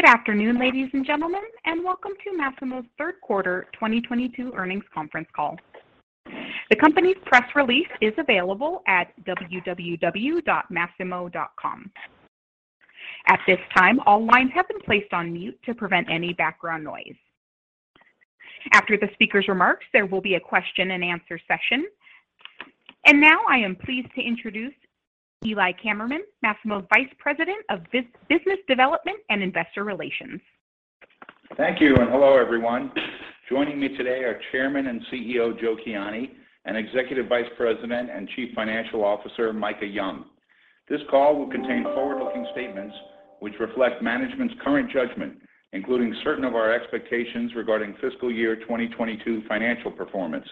Good afternoon, ladies and gentlemen, and welcome to Masimo's third quarter 2022 earnings conference call. The company's press release is available at www.masimo.com. At this time, all lines have been placed on mute to prevent any background noise. After the speaker's remarks, there will be a question and answer session. Now I am pleased to introduce Eli Kammerman, Masimo's Vice President of Business Development and Investor Relations. Thank you, and hello, everyone. Joining me today are Chairman and CEO, Joe Kiani, and Executive Vice President and Chief Financial Officer, Micah Young. This call will contain forward-looking statements which reflect management's current judgment, including certain of our expectations regarding fiscal year 2022 financial performance.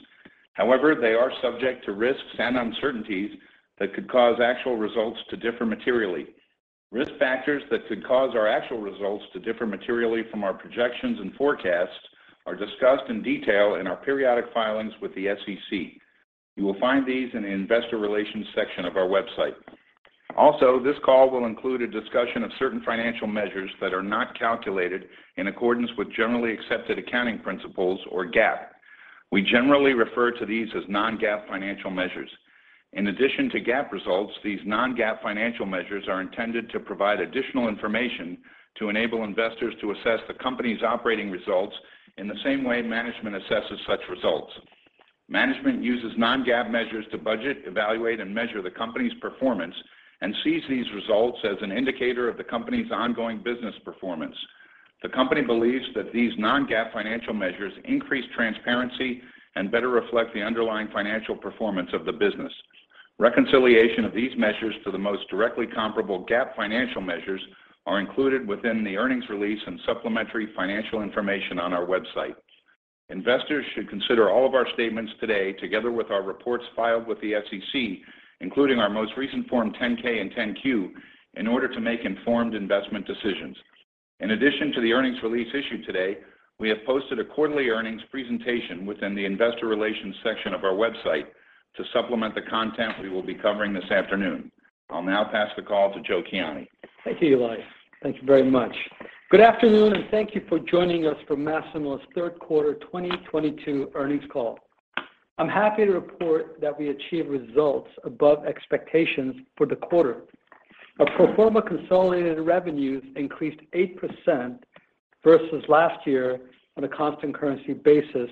However, they are subject to risks and uncertainties that could cause actual results to differ materially. Risk factors that could cause our actual results to differ materially from our projections and forecasts are discussed in detail in our periodic filings with the SEC. You will find these in the investor relations section of our website. Also, this call will include a discussion of certain financial measures that are not calculated in accordance with generally accepted accounting principles, or GAAP. We generally refer to these as non-GAAP financial measures. In addition to GAAP results, these non-GAAP financial measures are intended to provide additional information to enable investors to assess the company's operating results in the same way management assesses such results. Management uses non-GAAP measures to budget, evaluate, and measure the company's performance and sees these results as an indicator of the company's ongoing business performance. The company believes that these non-GAAP financial measures increase transparency and better reflect the underlying financial performance of the business. Reconciliation of these measures to the most directly comparable GAAP financial measures are included within the earnings release and supplementary financial information on our website. Investors should consider all of our statements today, together with our reports filed with the SEC, including our most recent Form 10-K and 10-Q, in order to make informed investment decisions. In addition to the earnings release issued today, we have posted a quarterly earnings presentation within the investor relations section of our website to supplement the content we will be covering this afternoon. I'll now pass the call to Joe Kiani. Thank you, Eli. Thank you very much. Good afternoon, and thank you for joining us for Masimo's third quarter 2022 earnings call. I'm happy to report that we achieved results above expectations for the quarter. Our pro forma consolidated revenues increased 8% versus last year on a constant currency basis,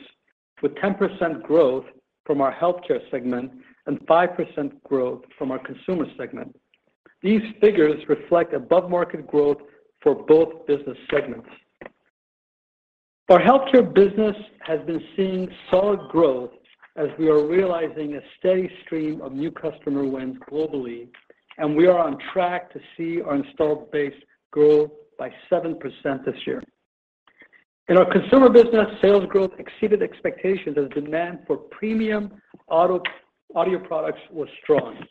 with 10% growth from our healthcare segment and 5% growth from our consumer segment. These figures reflect above-market growth for both business segments. Our healthcare business has been seeing solid growth as we are realizing a steady stream of new customer wins globally, and we are on track to see our installed base grow by 7% this year. In our consumer business, sales growth exceeded expectations as demand for premium audio products was strong.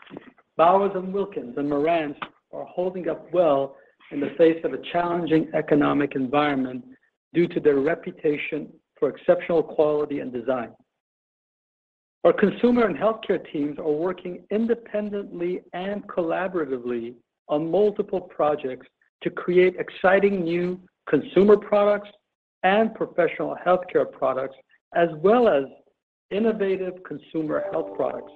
Bowers & Wilkins and Marantz are holding up well in the face of a challenging economic environment due to their reputation for exceptional quality and design. Our consumer and healthcare teams are working independently and collaboratively on multiple projects to create exciting new consumer products and professional healthcare products, as well as innovative consumer health products.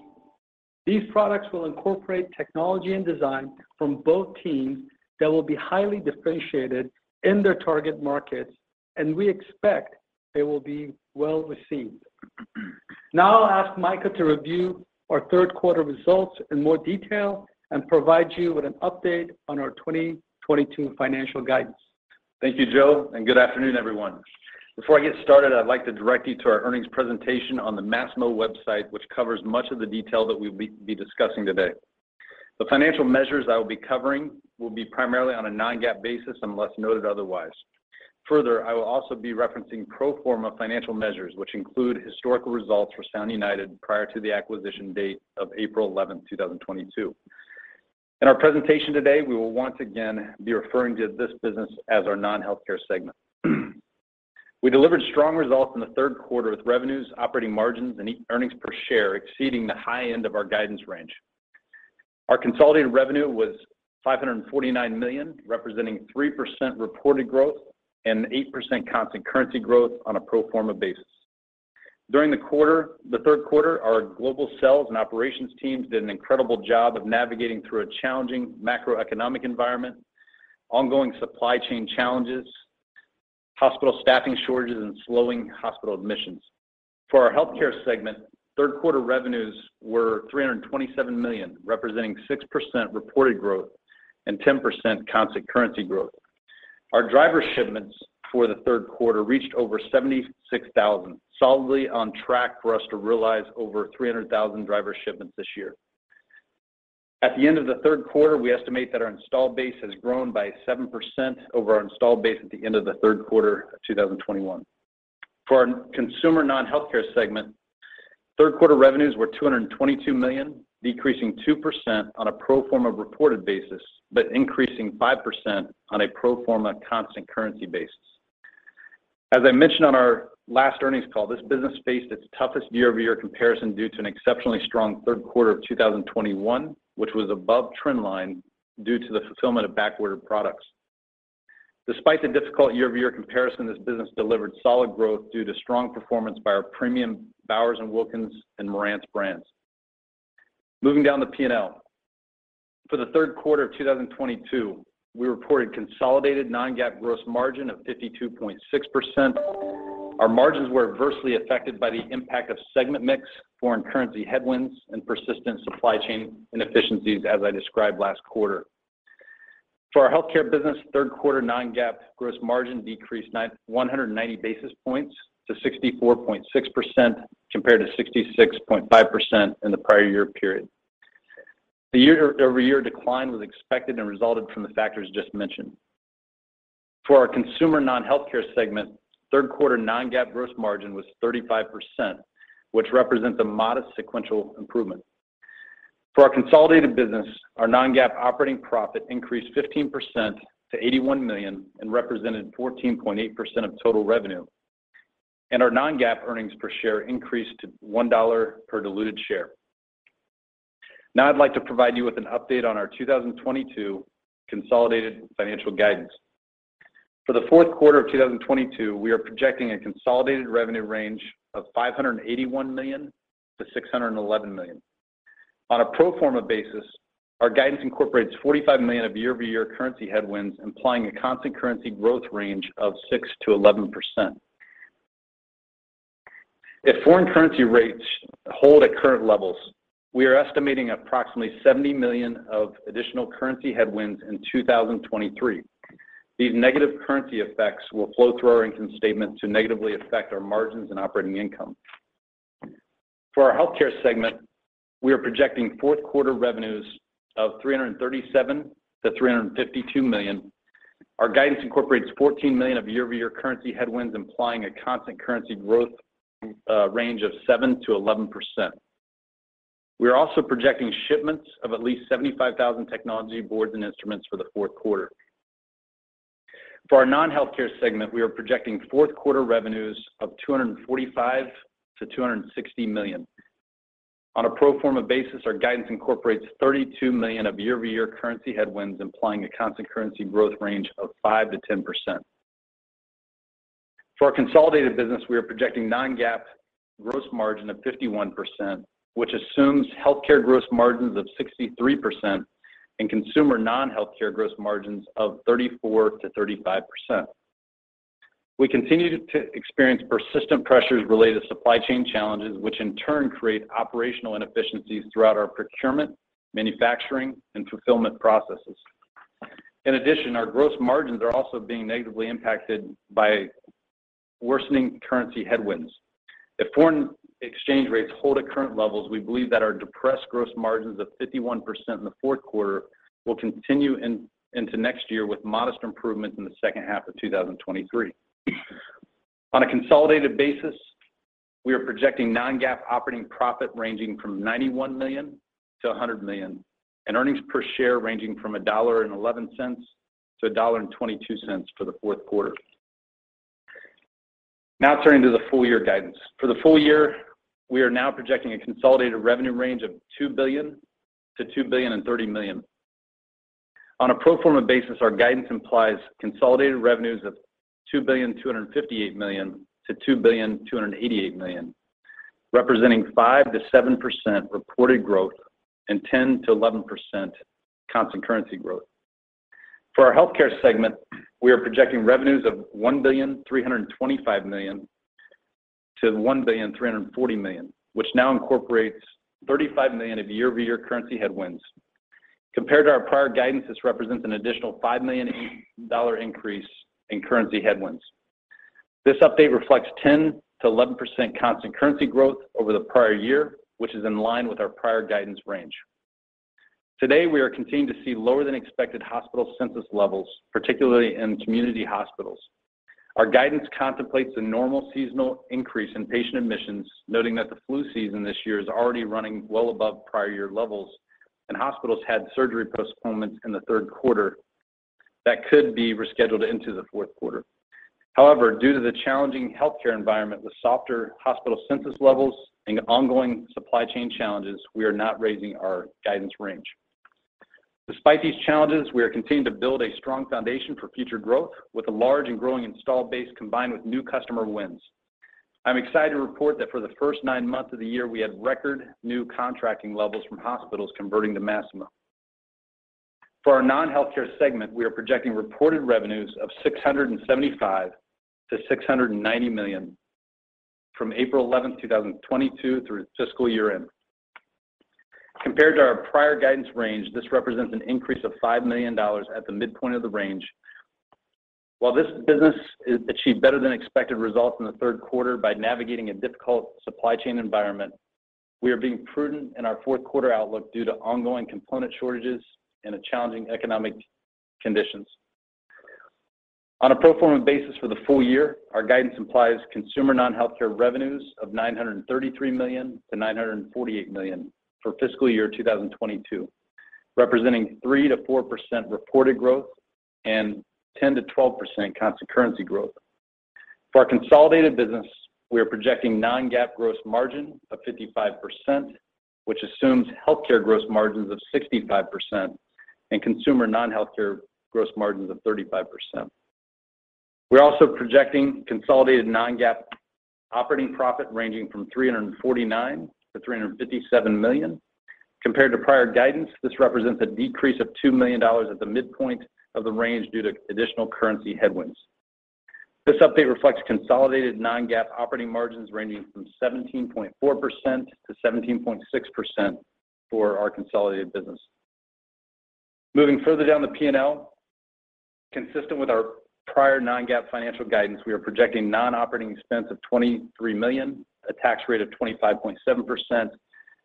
These products will incorporate technology and design from both teams that will be highly differentiated in their target markets, and we expect they will be well-received. Now I'll ask Micah to review our third quarter results in more detail and provide you with an update on our 2022 financial guidance. Thank you, Joe, and good afternoon, everyone. Before I get started, I'd like to direct you to our earnings presentation on the Masimo website, which covers much of the detail that we'll be discussing today. The financial measures I will be covering will be primarily on a non-GAAP basis unless noted otherwise. Further, I will also be referencing pro forma financial measures, which include historical results for Sound United prior to the acquisition date of April 11th, 2022. In our presentation today, we will once again be referring to this business as our non-healthcare segment. We delivered strong results in the third quarter with revenues, operating margins, and earnings per share exceeding the high end of our guidance range. Our consolidated revenue was $549 million, representing 3% reported growth and 8% constant currency growth on a pro forma basis. During the quarter, the third quarter, our global sales and operations teams did an incredible job of navigating through a challenging macroeconomic environment, ongoing supply chain challenges, hospital staffing shortages, and slowing hospital admissions. For our healthcare segment, third quarter revenues were $327 million, representing 6% reported growth and 10% constant currency growth. Our driver shipments for the third quarter reached over 76,000, solidly on track for us to realize over 300,000 driver shipments this year. At the end of the third quarter, we estimate that our installed base has grown by 7% over our installed base at the end of the third quarter of 2021. For our consumer non-healthcare segment, third quarter revenues were $222 million, decreasing 2% on a pro forma reported basis, but increasing 5% on a pro forma constant currency basis. As I mentioned on our last earnings call, this business faced its toughest year-over-year comparison due to an exceptionally strong third quarter of 2021, which was above trend line due to the fulfillment of backordered products. Despite the difficult year-over-year comparison, this business delivered solid growth due to strong performance by our premium Bowers & Wilkins and Marantz brands. Moving down the P&L. For the third quarter of 2022, we reported consolidated non-GAAP gross margin of 52.6%. Our margins were adversely affected by the impact of segment mix, foreign currency headwinds, and persistent supply chain inefficiencies as I described last quarter. For our healthcare business, third quarter non-GAAP gross margin decreased 190 basis points to 64.6% compared to 66.5% in the prior year period. The year-over-year decline was expected and resulted from the factors just mentioned. For our consumer non-healthcare segment, third quarter non-GAAP gross margin was 35%, which represents a modest sequential improvement. For our consolidated business, our non-GAAP operating profit increased 15% to $81 million and represented 14.8% of total revenue. Our non-GAAP earnings per share increased to $1 per diluted share. Now I'd like to provide you with an update on our 2022 consolidated financial guidance. For the fourth quarter of 2022, we are projecting a consolidated revenue range of $581 million-$611 million. On a pro forma basis, our guidance incorporates $45 million of year-over-year currency headwinds, implying a constant currency growth range of 6%-11%. If foreign currency rates hold at current levels, we are estimating approximately $70 million of additional currency headwinds in 2023. These negative currency effects will flow through our income statement to negatively affect our margins and operating income. For our healthcare segment, we are projecting fourth quarter revenues of $337 million-$352 million. Our guidance incorporates $14 million of year-over-year currency headwinds, implying a constant currency growth range of 7%-11%. We are also projecting shipments of at least 75,000 technology boards and instruments for the fourth quarter. For our non-healthcare segment, we are projecting fourth quarter revenues of $245 million-$260 million. On a pro forma basis, our guidance incorporates $32 million of year-over-year currency headwinds, implying a constant currency growth range of 5%-10%. For our consolidated business, we are projecting non-GAAP gross margin of 51%, which assumes healthcare gross margins of 63% and consumer non-healthcare gross margins of 34%-35%. We continue to experience persistent pressures related to supply chain challenges, which in turn create operational inefficiencies throughout our procurement, manufacturing, and fulfillment processes. In addition, our gross margins are also being negatively impacted by worsening currency headwinds. If foreign exchange rates hold at current levels, we believe that our depressed gross margins of 51% in the fourth quarter will continue into next year with modest improvements in the second half of 2023. On a consolidated basis, we are projecting non-GAAP operating profit ranging from $91 million-$100 million, and earnings per share ranging from $1.11-$1.22 for the fourth quarter. Now turning to the full year guidance. For the full year, we are now projecting a consolidated revenue range of $2 billion-$2.03 billion. On a pro forma basis, our guidance implies consolidated revenues of $2.258 billion-$2.288 billion, representing 5%-7% reported growth and 10%-11% constant currency growth. For our healthcare segment, we are projecting revenues of $1.325 billion-$1.34 billion, which now incorporates $35 million of year-over-year currency headwinds. Compared to our prior guidance, this represents an additional $5 million increase in currency headwinds. This update reflects 10%-11% constant currency growth over the prior year, which is in line with our prior guidance range. Today, we are continuing to see lower than expected hospital census levels, particularly in community hospitals. Our guidance contemplates a normal seasonal increase in patient admissions, noting that the flu season this year is already running well above prior year levels, and hospitals had surgery postponements in the third quarter that could be rescheduled into the fourth quarter. However, due to the challenging healthcare environment with softer hospital census levels and ongoing supply chain challenges, we are not raising our guidance range. Despite these challenges, we are continuing to build a strong foundation for future growth with a large and growing installed base combined with new customer wins. I'm excited to report that for the first nine months of the year, we had record new contracting levels from hospitals converting to Masimo. For our non-healthcare segment, we are projecting reported revenues of $675 million-$690 million from April 11th, 2022 through fiscal year end. Compared to our prior guidance range, this represents an increase of $5 million at the midpoint of the range. While this business achieved better than expected results in the third quarter by navigating a difficult supply chain environment, we are being prudent in our fourth quarter outlook due to ongoing component shortages and a challenging economic conditions. On a pro forma basis for the full year, our guidance implies consumer non-healthcare revenues of $933 million-$948 million for fiscal year 2022. Representing 3%-4% reported growth and 10%-12% constant currency growth. For our consolidated business, we are projecting non-GAAP gross margin of 55%, which assumes healthcare gross margins of 65% and consumer non-healthcare gross margins of 35%. We're also projecting consolidated non-GAAP operating profit ranging from $349 million-$357 million. Compared to prior guidance, this represents a decrease of $2 million at the midpoint of the range due to additional currency headwinds. This update reflects consolidated non-GAAP operating margins ranging from 17.4%-17.6% for our consolidated business. Moving further down the P&L, consistent with our prior non-GAAP financial guidance, we are projecting non-operating expense of $23 million, a tax rate of 25.7%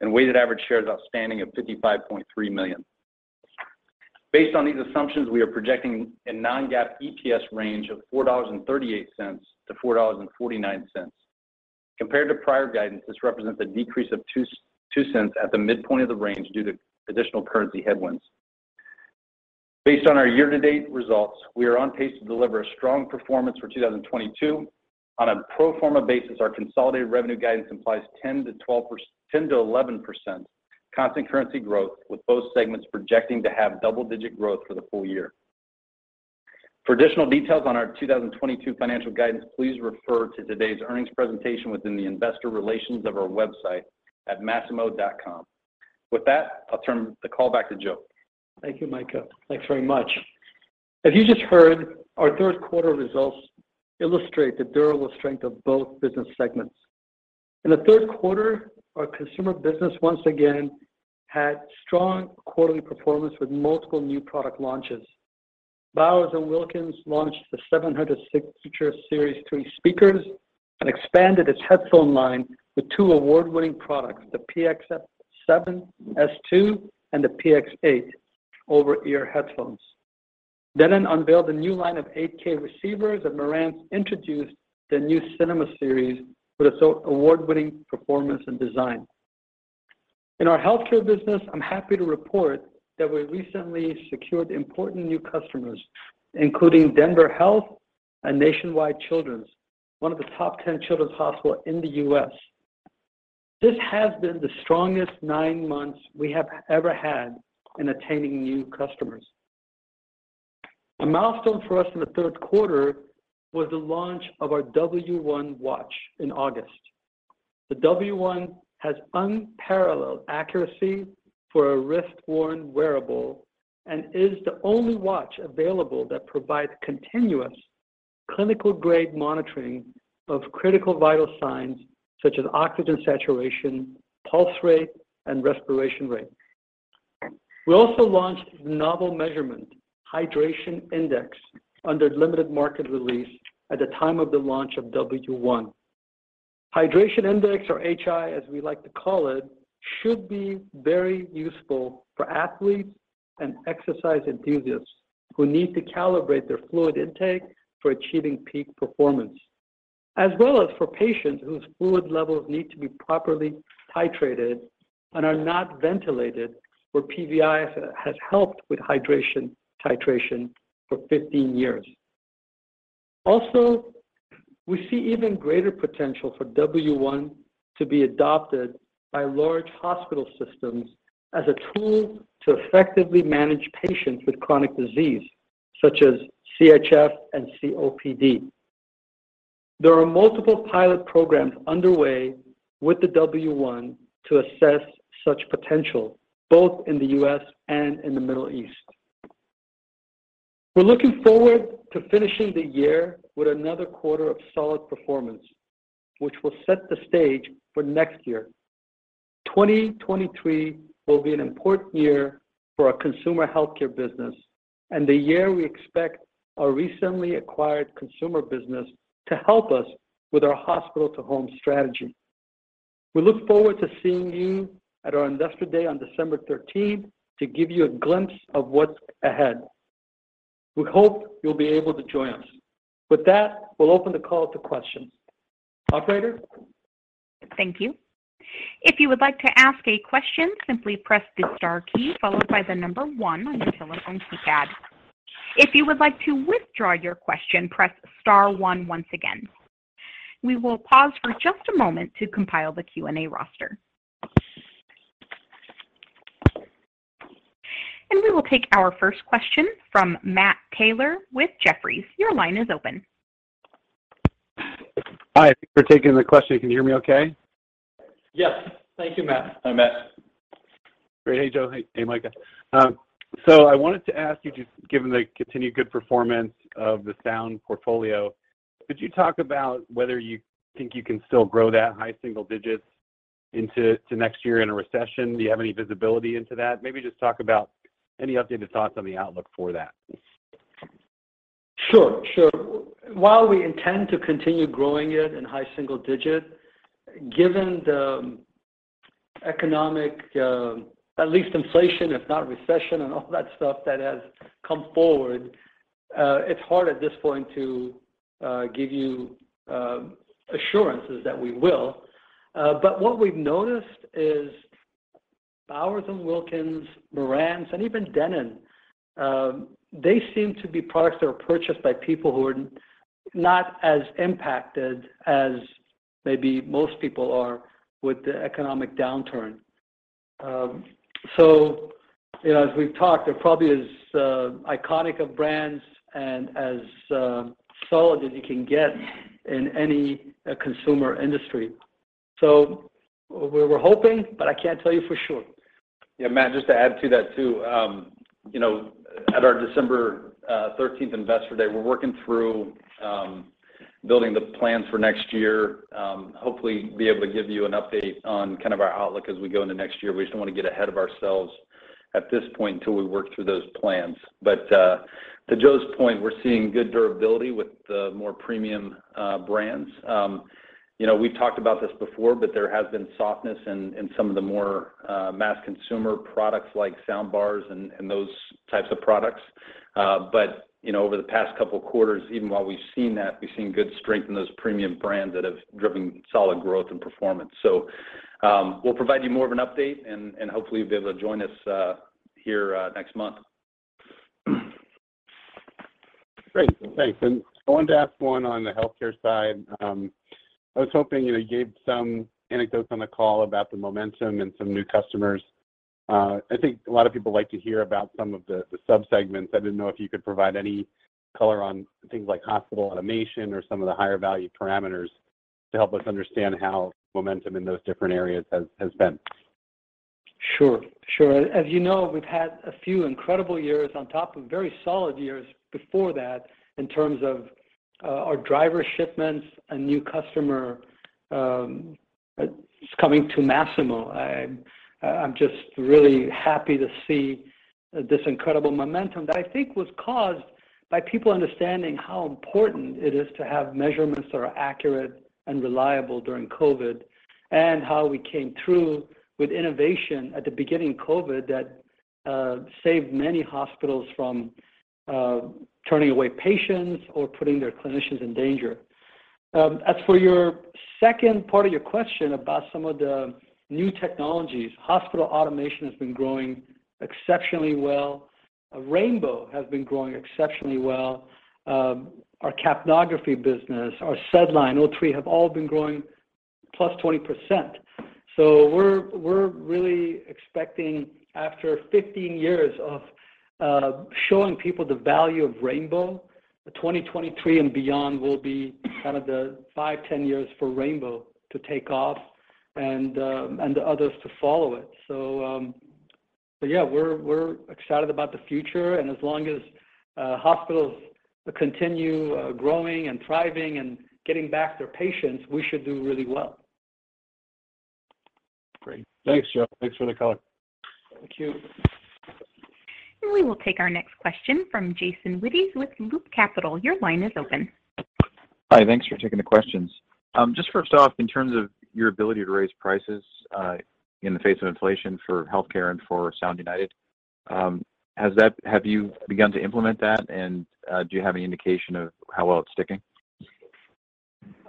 and weighted average shares outstanding of 55.3 million. Based on these assumptions, we are projecting a non-GAAP EPS range of $4.38-$4.49. Compared to prior guidance, this represents a decrease of $0.02 at the midpoint of the range due to additional currency headwinds. Based on our year-to-date results, we are on pace to deliver a strong performance for 2022. On a pro forma basis, our consolidated revenue guidance implies 10%-11% constant currency growth, with both segments projecting to have double-digit growth for the full year. For additional details on our 2022 financial guidance, please refer to today's earnings presentation within the investor relations of our website at masimo.com. With that, I'll turn the call back to Joe. Thank you, Micah. Thanks very much. As you just heard, our third quarter results illustrate the durable strength of both business segments. In the third quarter, our consumer business once again had strong quarterly performance with multiple new product launches. Bowers & Wilkins launched the 700 Signature Series 3 speakers and expanded its headphone line with two award-winning products, the PX7 S2 and the PX8 over-ear headphones. Denon unveiled a new line of 8K receivers, and Marantz introduced their new CINEMA Series with award-winning performance and design. In our healthcare business, I'm happy to report that we recently secured important new customers, including Denver Health and Nationwide Children's, one of the top 10 children's hospital in the U.S. This has been the strongest nine months we have ever had in attaining new customers. A milestone for us in the third quarter was the launch of our W1 watch in August. The W1 has unparalleled accuracy for a wrist-worn wearable and is the only watch available that provides continuous clinical-grade monitoring of critical vital signs such as oxygen saturation, pulse rate, and respiration rate. We also launched novel measurement hydration index under limited market release at the time of the launch of W1. Hydration index, or Hi, as we like to call it, should be very useful for athletes and exercise enthusiasts who need to calibrate their fluid intake for achieving peak performance, as well as for patients whose fluid levels need to be properly titrated and are not ventilated, where PVi has helped with hydration titration for 15 years. Also, we see even greater potential for W1 to be adopted by large hospital systems as a tool to effectively manage patients with chronic disease such as CHF and COPD. There are multiple pilot programs underway with the W1 to assess such potential, both in the U.S. and in the Middle East. We're looking forward to finishing the year with another quarter of solid performance, which will set the stage for next year. 2023 will be an important year for our consumer healthcare business and the year we expect our recently acquired consumer business to help us with our hospital-to-home strategy. We look forward to seeing you at our Investor Day on December 13th to give you a glimpse of what's ahead. We hope you'll be able to join us. With that, we'll open the call to questions. Operator? Thank you. If you would like to ask a question, simply press the star key followed by the number one on your telephone keypad. If you would like to withdraw your question, press star one once again. We will pause for just a moment to compile the Q&A roster. We will take our first question from Matt Taylor with Jefferies. Your line is open.nic Hi. Thank you for taking the question. Can you hear me okay? Yes. Thank you, Matt. Hi, Matt. Great. Hey, Joe. Hey, Micah. So I wanted to ask you just given the continued good performance of the sound portfolio, could you talk about whether you think you can still grow that high single digits into to next year in a recession? Do you have any visibility into that? Maybe just talk about any updated thoughts on the outlook for that. Sure. While we intend to continue growing it in high single digits, given the economic, at least inflation, if not recession, and all that stuff that has come forward, it's hard at this point to give you assurances that we will. What we've noticed is Bowers & Wilkins, Marantz, and even Denon, they seem to be products that are purchased by people who are not as impacted as maybe most people are with the economic downturn. So, you know, as we've talked, they're probably as iconic brands and as solid as you can get in any consumer industry. We're hoping, but I can't tell you for sure. Yeah, Matt, just to add to that too, you know, at our December 13th Investor Day, we're working through building the plans for next year, hopefully be able to give you an update on kind of our outlook as we go into next year. We just don't want to get ahead of ourselves at this point until we work through those plans. To Joe's point, we're seeing good durability with the more premium brands. You know, we've talked about this before, but there has been softness in some of the more mass consumer products like sound bars and those types of products. You know, over the past couple quarters, even while we've seen that, we've seen good strength in those premium brands that have driven solid growth and performance. We'll provide you more of an update and hopefully you'll be able to join us here next month. Great. Thanks. I wanted to ask one on the healthcare side. I was hoping, you know, you gave some anecdotes on the call about the momentum and some new customers. I think a lot of people like to hear about some of the subsegments. I didn't know if you could provide any color on things like Hospital Automation or some of the higher value parameters to help us understand how momentum in those different areas has been. Sure. As you know, we've had a few incredible years on top of very solid years before that in terms of our driver shipments and new customer coming to Masimo. I'm just really happy to see this incredible momentum that I think was caused by people understanding how important it is to have measurements that are accurate and reliable during COVID, and how we came through with innovation at the beginning of COVID that saved many hospitals from turning away patients or putting their clinicians in danger. As for your second part of your question about some of the new technologies, Hospital Automation has been growing exceptionally well. Rainbow has been growing exceptionally well. Our capnography business, our SedLine, those three have all been growing +20%. We're really expecting after 15 years of showing people the value of rainbow, that 2023 and beyond will be kind of the 5, 10 years for rainbow to take off and the others to follow it. Yeah, we're excited about the future, and as long as hospitals continue growing and thriving and getting back their patients, we should do really well. Great. Thanks, Joe. Thanks for the color. Thank you. We will take our next question from Jason Wittes with Loop Capital. Your line is open. Hi. Thanks for taking the questions. Just first off, in terms of your ability to raise prices, in the face of inflation for healthcare and for Sound United, have you begun to implement that? Do you have any indication of how well it's sticking?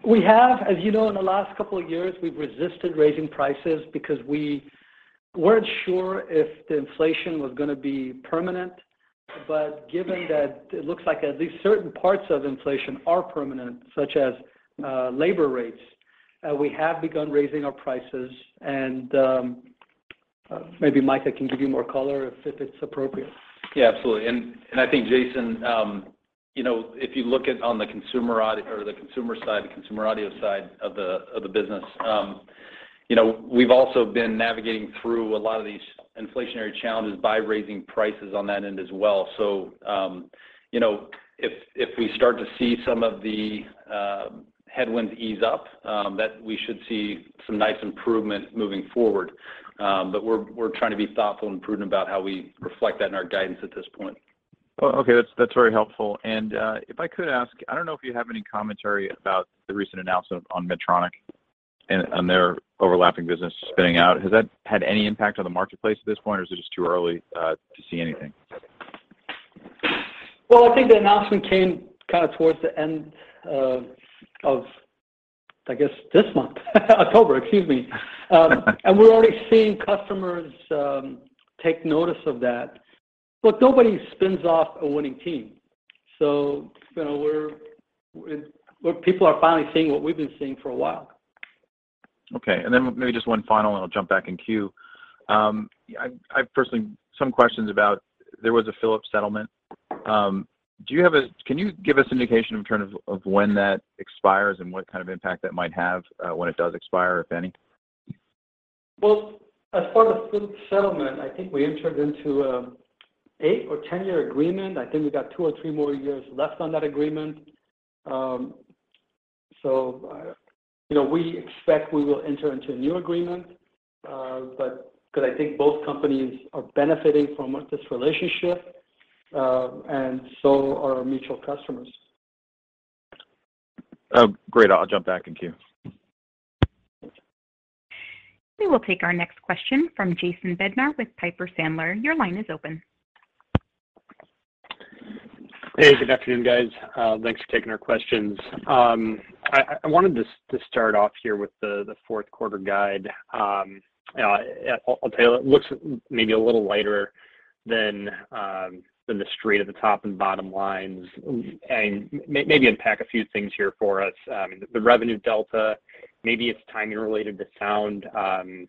We have. As you know, in the last couple of years, we've resisted raising prices because we weren't sure if the inflation was gonna be permanent. Given that it looks like at least certain parts of inflation are permanent, such as labor rates, we have begun raising our prices, and maybe Micah can give you more color if it's appropriate. Yeah, absolutely. I think, Jason, you know, if you look at the consumer audio side of the business, you know, we've also been navigating through a lot of these inflationary challenges by raising prices on that end as well. You know, if we start to see some of the headwinds ease up, that we should see some nice improvement moving forward. But we're trying to be thoughtful and prudent about how we reflect that in our guidance at this point. Okay. That's very helpful. If I could ask, I don't know if you have any commentary about the recent announcement on Medtronic and on their overlapping business spinning out. Has that had any impact on the marketplace at this point, or is it just too early to see anything? Well, I think the announcement came kind of towards the end of this month, October, excuse me. We're already seeing customers take notice of that. Look, nobody spins off a winning team. You know, people are finally seeing what we've been seeing for a while. Okay. Maybe just one final, and I'll jump back in queue. I personally have some questions about there was a Philips settlement. Can you give us indication in terms of when that expires and what kind of impact that might have, when it does expire, if any? Well, as far as Philips settlement, I think we entered into an 8- or 10-year agreement. I think we got 2 or 3 more years left on that agreement. you know, we expect we will enter into a new agreement, but 'cause I think both companies are benefiting from this relationship, and so are our mutual customers. Oh, great. I'll jump back in queue. We will take our next question from Jason Bednar with Piper Sandler. Your line is open. Hey, good afternoon, guys. Thanks for taking our questions. I wanted to start off here with the fourth quarter guide. Yeah, I'll tell you, it looks maybe a little lighter than the street at the top and bottom lines. Maybe unpack a few things here for us. I mean, the revenue delta, maybe it's timing related to Sound, you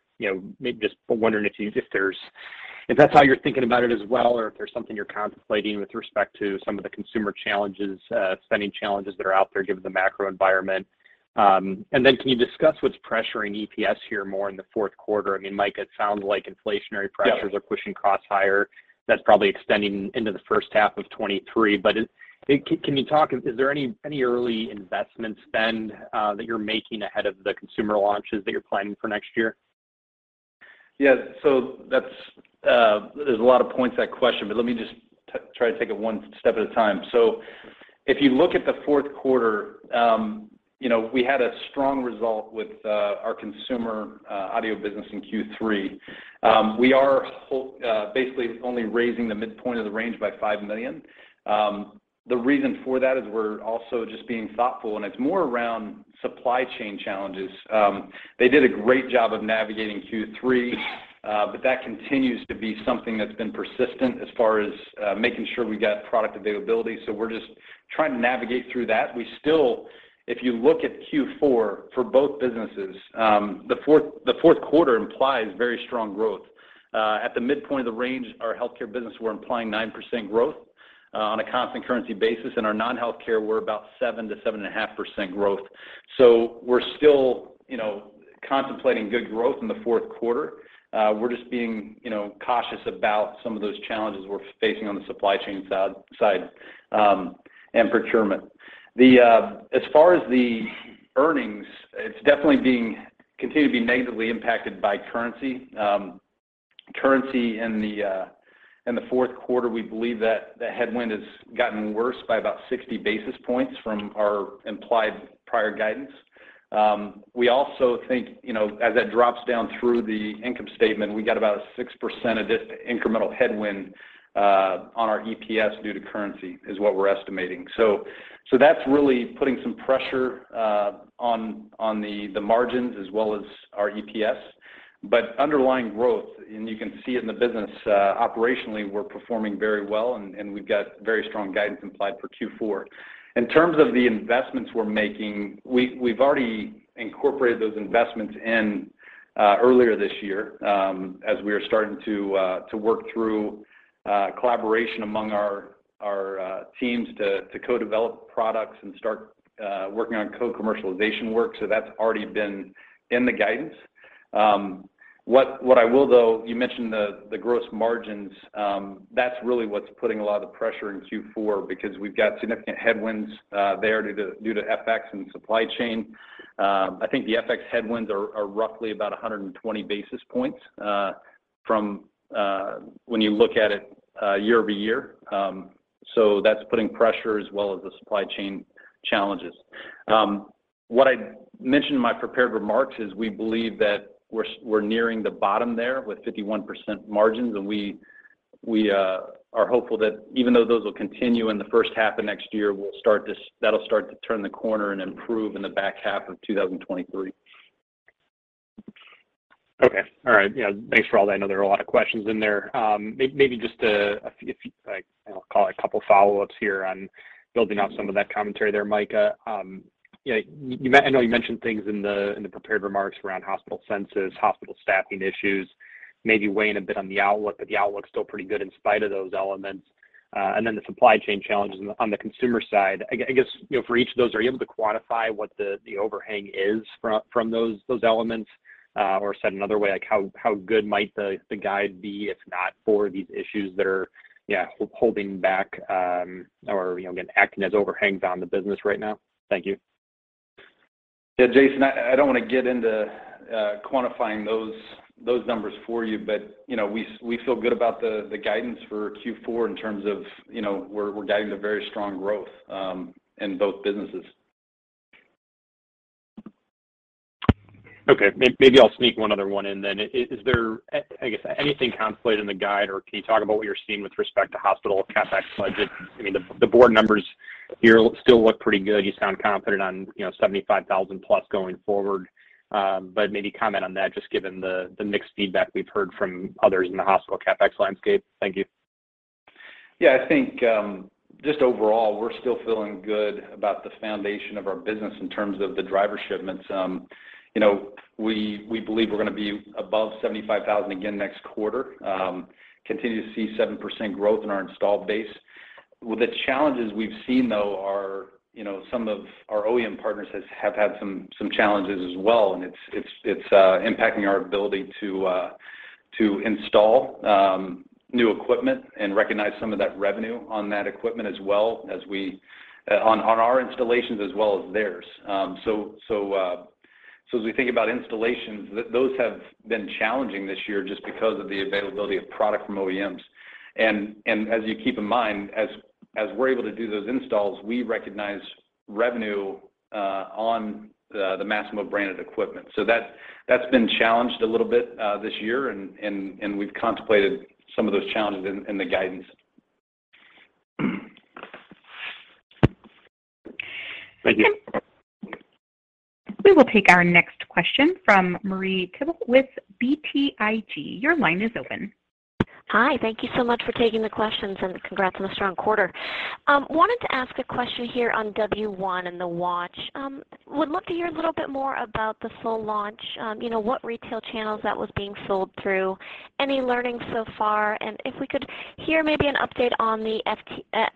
know, just wondering if that's how you're thinking about it as well, or if there's something you're contemplating with respect to some of the consumer challenges, spending challenges that are out there given the macro environment. Can you discuss what's pressuring EPS here more in the fourth quarter? I mean, Micah, it sounds like inflationary pressures- Yeah. Are pushing costs higher. That's probably extending into the first half of 2023. Can you talk, is there any early investment spend that you're making ahead of the consumer launches that you're planning for next year? That's, there's a lot of points to that question, but let me just try to take it one step at a time. If you look at the fourth quarter, we had a strong result with our consumer audio business in Q3. We are basically only raising the midpoint of the range by $5 million. The reason for that is we're also just being thoughtful, and it's more around supply chain challenges. They did a great job of navigating Q3, but that continues to be something that's been persistent as far as making sure we've got product availability. We're just trying to navigate through that. We still, if you look at Q4 for both businesses, the fourth quarter implies very strong growth. At the midpoint of the range, our healthcare business, we're implying 9% growth on a constant currency basis. In our non-healthcare, we're about 7%-7.5% growth. We're still, you know, contemplating good growth in the fourth quarter. We're just being, you know, cautious about some of those challenges we're facing on the supply chain side and procurement. As far as the earnings, it's definitely continuing to be negatively impacted by currency. Currency in the fourth quarter, we believe that the headwind has gotten worse by about 60 basis points from our implied prior guidance. We also think, you know, as that drops down through the income statement, we got about 6% of this incremental headwind on our EPS due to currency, is what we're estimating. That's really putting some pressure on the margins as well as our EPS. Underlying growth, and you can see it in the business, operationally, we're performing very well, and we've got very strong guidance implied for Q4. In terms of the investments we're making, we've already incorporated those investments in earlier this year, as we are starting to work through collaboration among our teams to co-develop products and start working on co-commercialization work. That's already been in the guidance. What I will though, you mentioned the gross margins, that's really what's putting a lot of the pressure in Q4 because we've got significant headwinds there due to FX and supply chain. I think the FX headwinds are roughly about 120 basis points from when you look at it year-over-year. That's putting pressure as well as the supply chain challenges. What I mentioned in my prepared remarks is we believe that we're nearing the bottom there with 51% margins, and we are hopeful that even though those will continue in the first half of next year, we'll start to turn the corner and improve in the back half of 2023. Okay. All right. Yeah, thanks for all that. I know there are a lot of questions in there. Maybe just a few, like, I'll call it a couple follow-ups here on building off some of that commentary there, Micah. You know, I know you mentioned things in the prepared remarks around hospital census, hospital staffing issues, maybe weighing a bit on the outlook, but the outlook's still pretty good in spite of those elements. And then the supply chain challenges on the consumer side. I guess, you know, for each of those, are you able to quantify what the overhang is from those elements? Said another way, like how good might the guide be if not for these issues that are holding back, or you know, again, acting as overhangs on the business right now? Thank you. Yeah, Jason, I don't want to get into quantifying those numbers for you. You know, we feel good about the guidance for Q4 in terms of, you know, we're guiding to very strong growth in both businesses. Okay. Maybe I'll sneak one other one in then. Is there, I guess, anything contemplated in the guide, or can you talk about what you're seeing with respect to hospital CapEx budget? I mean, the broad numbers here still look pretty good. You sound confident on, you know, 75,000 plus going forward. Maybe comment on that just given the mixed feedback we've heard from others in the hospital CapEx landscape. Thank you. Yeah. I think just overall, we're still feeling good about the foundation of our business in terms of the driver shipments. You know, we believe we're gonna be above 75,000 again next quarter. Continue to see 7% growth in our installed base. Well, the challenges we've seen, though, are, you know, some of our OEM partners have had some challenges as well, and it's impacting our ability to install new equipment and recognize some of that revenue on that equipment as well as we on our installations as well as theirs. So as we think about installations, those have been challenging this year just because of the availability of product from OEMs. As you keep in mind, as we're able to do those installs, we recognize revenue on the Masimo branded equipment. That's been challenged a little bit this year and we've contemplated some of those challenges in the guidance. Thank you. We will take our next question from Marie Thibault with BTIG. Your line is open. Hi. Thank you so much for taking the questions and congrats on a strong quarter. Wanted to ask a question here on W1 and the watch. Would love to hear a little bit more about the full launch, you know, what retail channels that was being sold through, any learning so far, and if we could hear maybe an update on the FDA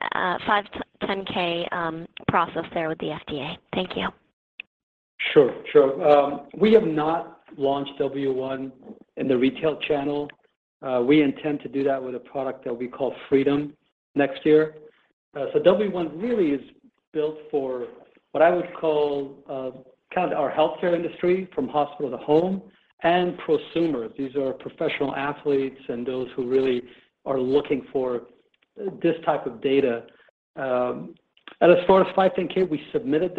510(k) process there with the FDA. Thank you. Sure. We have not launched W1 in the retail channel. We intend to do that with a product that we call Freedom next year. W1 really is built for what I would call kind of our healthcare industry from hospital to home and prosumer. These are professional athletes and those who really are looking for this type of data. As far as 510(k), we submitted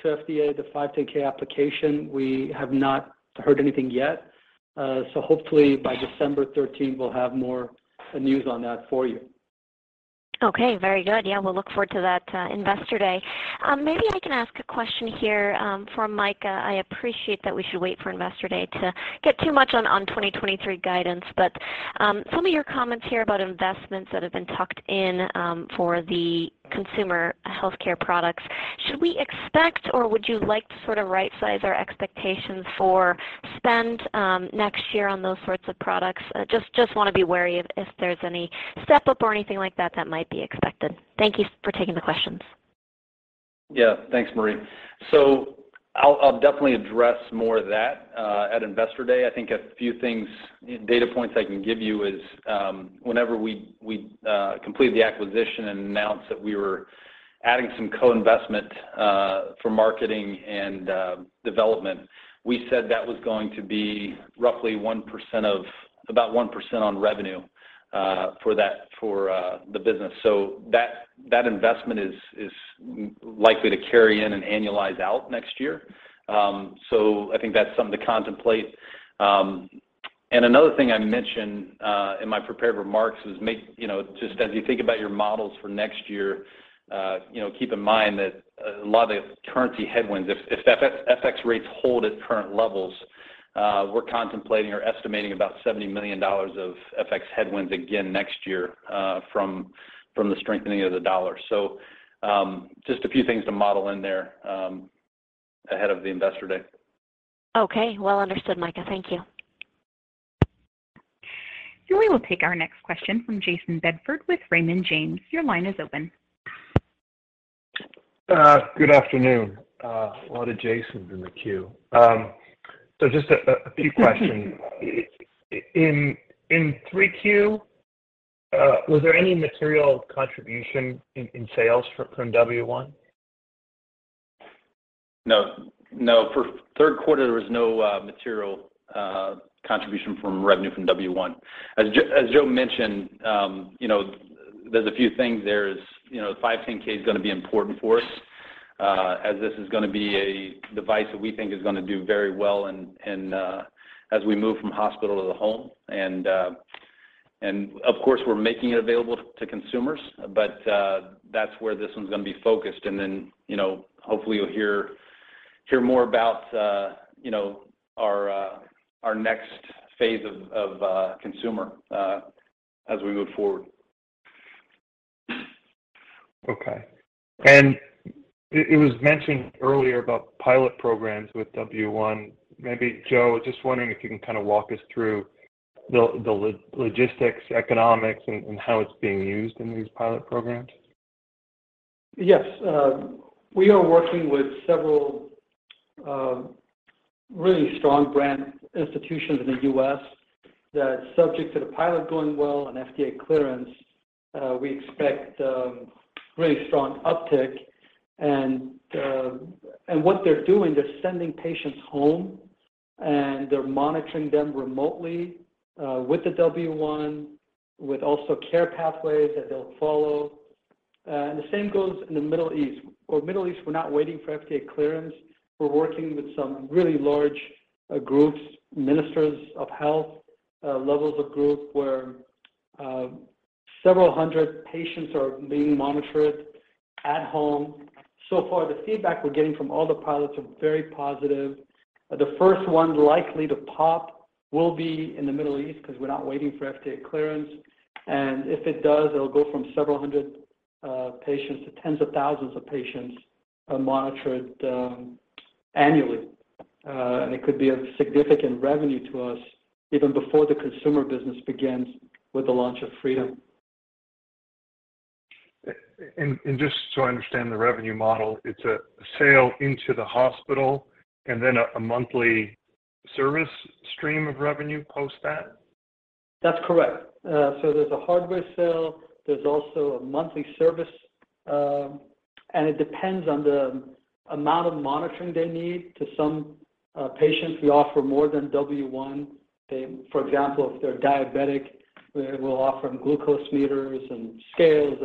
to FDA the 510(k) application. We have not heard anything yet. Hopefully by December 13th, we'll have more news on that for you. Okay. Very good. Yeah, we'll look forward to that, Investor Day. Maybe I can ask a question here, for Micah. I appreciate that we should wait for Investor Day to get too much on 2023 guidance. Some of your comments here about investments that have been tucked in, for the consumer healthcare products. Should we expect or would you like to sort of right size our expectations for spend, next year on those sorts of products? Just wanna be wary if there's any step-up or anything like that that might be expected. Thank you for taking the questions. Yeah. Thanks, Marie. I'll definitely address more of that at Investor Day. I think a few things, data points I can give you is, whenever we completed the acquisition and announced that we were adding some co-investment for marketing and development, we said that was going to be roughly 1% of about 1% on revenue for the business. That investment is likely to carry in and annualize out next year. I think that's something to contemplate. Another thing I mentioned in my prepared remarks is, you know, just as you think about your models for next year, you know, keep in mind that a lot of the currency headwinds, if FX rates hold at current levels, we're contemplating or estimating about $70 million of FX headwinds again next year, from the strengthening of the dollar. Just a few things to model in there, ahead of the Investor Day. Okay. Well understood, Micah. Thank you. We will take our next question from Jayson Bedford with Raymond James. Your line is open. Good afternoon. A lot of Jason's in the queue. Just a few questions. In 3Q, was there any material contribution in sales from W1? No, no. For third quarter, there was no material contribution from revenue from W1. As Joe mentioned, there's a few things. There's 510(k) is gonna be important for us, as this is gonna be a device that we think is gonna do very well and as we move from hospital to the home. And of course, we're making it available to consumers. That's where this one's gonna be focused. Then, hopefully you'll hear more about our next phase of consumer as we move forward. Okay. It was mentioned earlier about pilot programs with W1. Maybe Joe, just wondering if you can kinda walk us through the logistics, economics and how it's being used in these pilot programs. Yes. We are working with several really strong brand institutions in the U.S. that, subject to the pilot going well and FDA clearance, we expect really strong uptick. What they're doing, they're sending patients home, and they're monitoring them remotely with the W1, with also care pathways that they'll follow. The same goes in the Middle East. For Middle East, we're not waiting for FDA clearance. We're working with some really large groups, ministers of health, levels of group, where several hundred patients are being monitored at home. So far, the feedback we're getting from all the pilots are very positive. The first one likely to pop will be in the Middle East because we're not waiting for FDA clearance. If it does, it'll go from several hundred patients to tens of thousands of patients are monitored annually. It could be a significant revenue to us even before the consumer business begins with the launch of Freedom. Just so I understand the revenue model, it's a sale into the hospital and then a monthly service stream of revenue post that? That's correct. So there's a hardware sale. There's also a monthly service. It depends on the amount of monitoring they need. To some patients, we offer more than W1. They, for example, if they're diabetic, we'll offer them glucose meters and scales.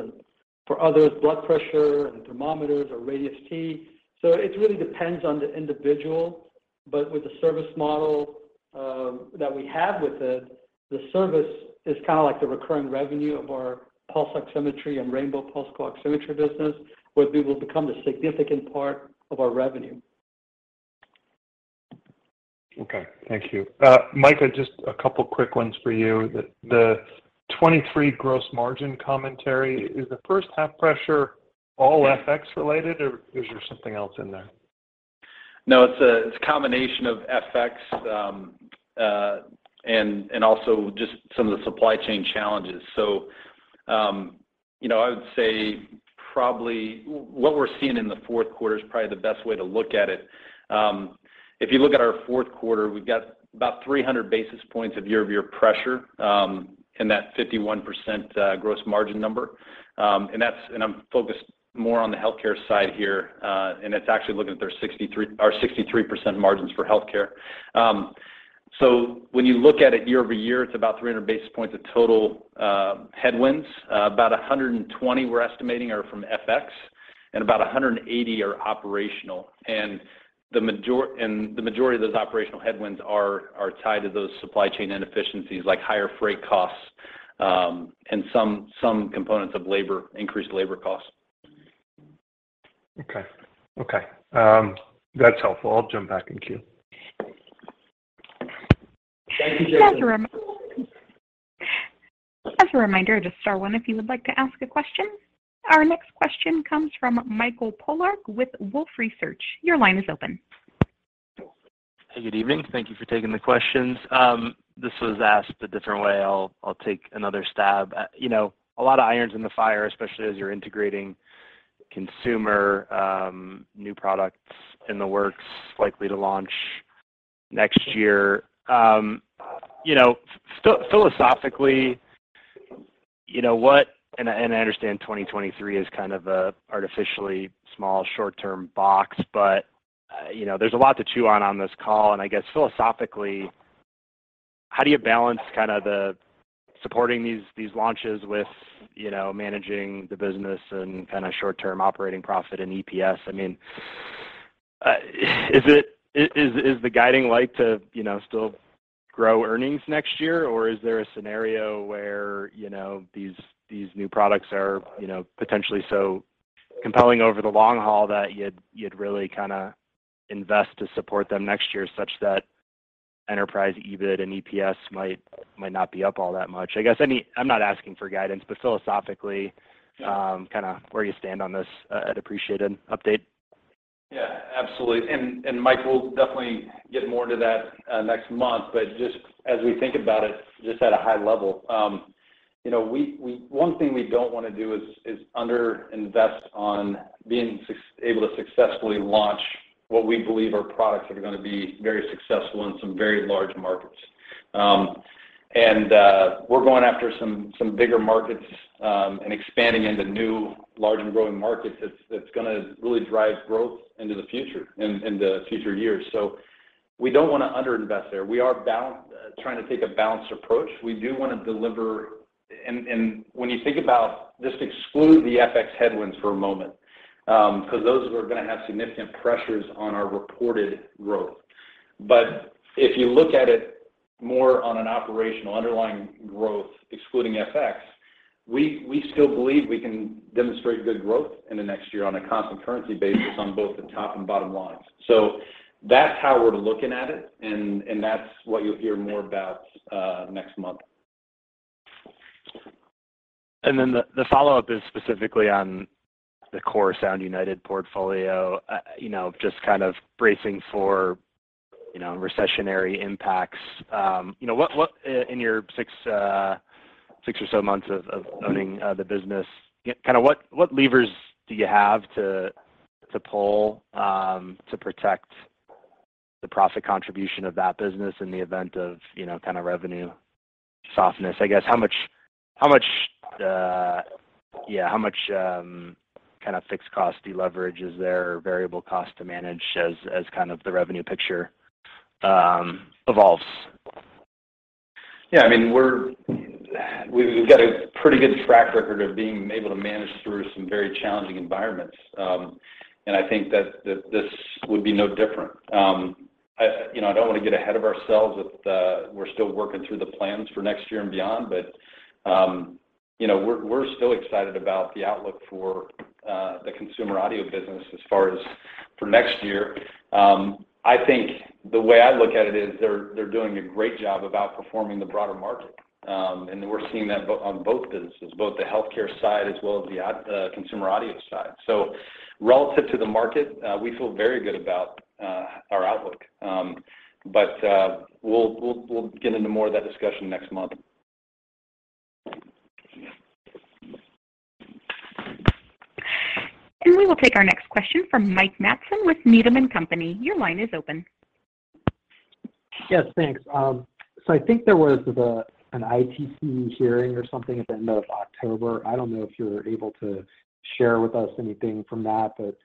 For others, blood pressure and thermometers or Radius Tº. It really depends on the individual. With the service model that we have with it, the service is kind of like the recurring revenue of our pulse oximetry and rainbow Pulse CO-Oximetry business, where it will become a significant part of our revenue. Okay. Thank you. Micah, just a couple quick ones for you. The 2023 gross margin commentary, is the first half pressure all FX related, or is there something else in there? No, it's a combination of FX and also just some of the supply chain challenges. You know, I would say probably what we're seeing in the fourth quarter is probably the best way to look at it. If you look at our fourth quarter, we've got about 300 basis points of year-over-year pressure in that 51% gross margin number. That's. I'm focused more on the healthcare side here. It's actually looking at their 63% margins for healthcare. When you look at it year-over-year, it's about 300 basis points of total headwinds. About 120 we're estimating are from FX, and about 180 are operational. The majority of those operational headwinds are tied to those supply chain inefficiencies, like higher freight costs, and some components of labor, increased labor costs. Okay. That's helpful. I'll jump back in queue. Thank you, Jayson. As a reminder, just star one if you would like to ask a question. Our next question comes from Michael Polark with Wolfe Research. Your line is open. Hey, good evening. Thank you for taking the questions. This was asked a different way. I'll take another stab. You know, a lot of irons in the fire, especially as you're integrating consumer, new products in the works likely to launch next year. You know, philosophically, you know, what I understand 2023 is kind of a artificially small short-term box, but, you know, there's a lot to chew on this call, and I guess philosophically, how do you balance kind of the supporting these launches with, you know, managing the business and kind of short-term operating profit and EPS? I mean, is the guiding light to, you know, still grow earnings next year, or is there a scenario where, you know, these new products are, you know, potentially so compelling over the long haul that you'd really kind of invest to support them next year such that enterprise EBIT and EPS might not be up all that much? I guess any. I'm not asking for guidance, but philosophically, kind of where you stand on this, I'd appreciate an update. Yeah, absolutely. Michael, we'll definitely get more into that next month. But just as we think about it just at a high level, you know, one thing we don't wanna do is under-invest on being able to successfully launch what we believe are products that are gonna be very successful in some very large markets. We're going after some bigger markets, and expanding into new large and growing markets that's gonna really drive growth into the future, in the future years. We don't wanna under-invest there. We are trying to take a balanced approach. We do wanna deliver. When you think about, just exclude the FX headwinds for a moment, 'cause those are gonna have significant pressures on our reported growth. If you look at it more on an operational underlying growth excluding FX, we still believe we can demonstrate good growth in the next year on a constant currency basis on both the top and bottom lines. That's how we're looking at it, and that's what you'll hear more about next month. The follow-up is specifically on the core Sound United portfolio. You know, just kind of bracing for, you know, recessionary impacts. You know, what in your six or so months of owning the business, kind of what levers do you have to pull to protect the profit contribution of that business in the event of, you know, kind of revenue softness? I guess how much kind of fixed cost deleverage is there or variable cost to manage as kind of the revenue picture evolves? I mean, we've got a pretty good track record of being able to manage through some very challenging environments. I think that this would be no different. I, you know, I don't wanna get ahead of ourselves with we're still working through the plans for next year and beyond, but you know, we're still excited about the outlook for the consumer audio business as far as for next year. I think the way I look at it is they're doing a great job of outperforming the broader market. We're seeing that on both businesses, both the healthcare side as well as the consumer audio side. Relative to the market, we feel very good about our outlook. We'll get into more of that discussion next month. We will take our next question from Mike Matson with Needham & Company. Your line is open. Yes, thanks. I think there was an ITC hearing or something at the end of October. I don't know if you're able to share with us anything from that, but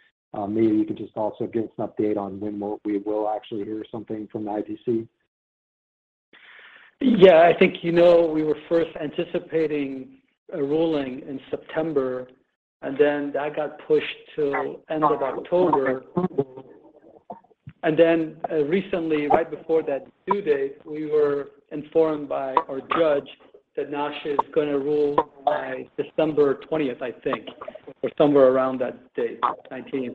maybe you could just also give us an update on when we will actually hear something from the ITC. Yeah, I think you know we were first anticipating a ruling in September, and then that got pushed to end of October. Then, recently, right before that due date, we were informed by our judge that she is gonna rule by December 20th, I think, or somewhere around that date, 19th.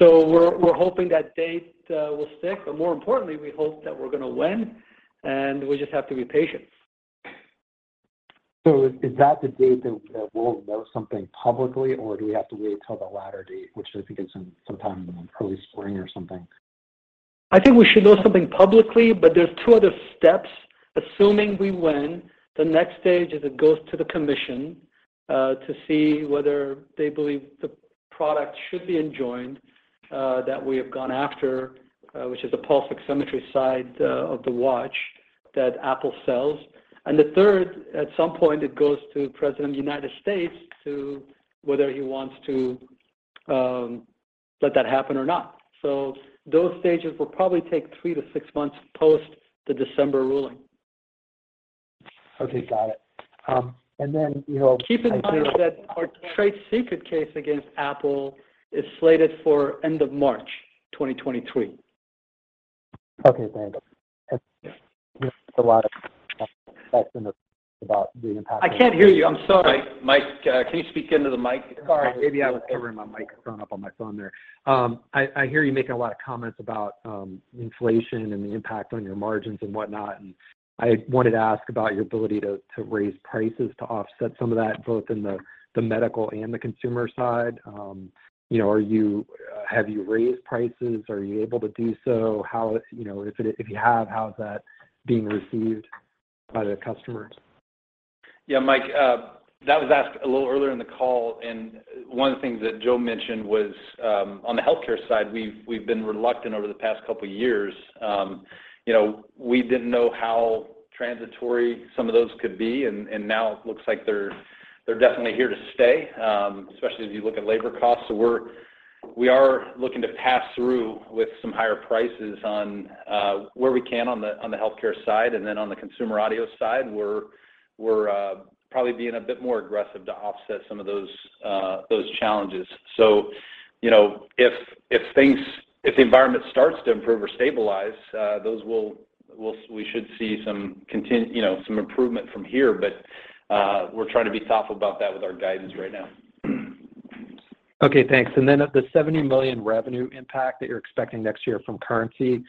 We're hoping that date will stick, but more importantly, we hope that we're gonna win, and we just have to be patient. Is that the date that we'll know something publicly, or do we have to wait till the latter date, which I think is sometime in early spring or something? I think we should know something publicly, but there are two other steps. Assuming we win, the next stage is it goes to the commission to see whether they believe the product should be enjoined that we have gone after, which is the pulse oximetry side of the watch that Apple sells. The third, at some point, it goes to the President of the United States to see whether he wants to let that happen or not. Those stages will probably take 3-6 months post the December ruling. Okay, got it. You know. Keep in mind that our trade secret case against Apple is slated for end of March 2023. Okay, thank you. There's a lot about the impact. I can't hear you. I'm sorry. Mike, can you speak into the mic? Sorry. Maybe I was covering my microphone up on my phone there. I hear you making a lot of comments about inflation and the impact on your margins and whatnot, and I wanted to ask about your ability to raise prices to offset some of that, both in the medical and the consumer side. You know, have you raised prices? Are you able to do so? How, you know, if you have, how is that being received by the customers? Yeah, Mike, that was asked a little earlier in the call, and one of the things that Joe mentioned was, on the healthcare side, we've been reluctant over the past couple years. You know, we didn't know how transitory some of those could be and now it looks like they're definitely here to stay, especially as you look at labor costs. We are looking to pass through with some higher prices on where we can on the healthcare side. Then on the consumer audio side, we're probably being a bit more aggressive to offset some of those challenges. You know, if the environment starts to improve or stabilize, we should see some improvement from here. We're trying to be thoughtful about that with our guidance right now. Okay, thanks. The $70 million revenue impact that you're expecting next year from currency,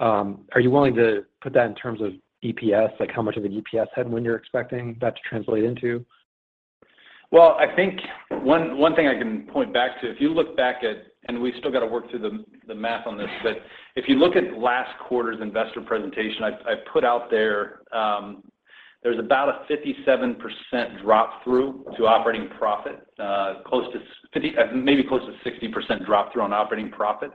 are you willing to put that in terms of EPS? Like, how much of an EPS headwind you're expecting that to translate into? Well, I think one thing I can point back to, if you look back at and we still got to work through the math on this, but if you look at last quarter's investor presentation, I put out there's about a 57% drop-through to operating profit, maybe close to 60% drop-through on operating profit.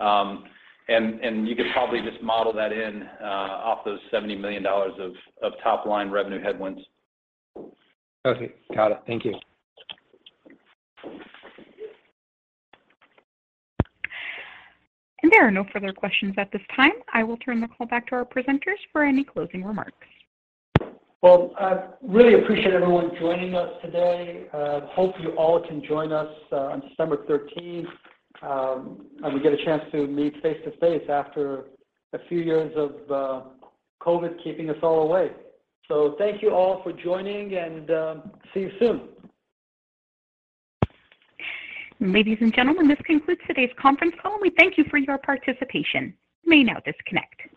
And you could probably just model that in off those $70 million of top-line revenue headwinds. Okay. Got it. Thank you. There are no further questions at this time. I will turn the call back to our presenters for any closing remarks. Well, I really appreciate everyone joining us today. Hope you all can join us on December 13th, and we get a chance to meet face to face after a few years of COVID keeping us all away. Thank you all for joining, and see you soon. Ladies and gentlemen, this concludes today's conference call. We thank you for your participation. You may now disconnect.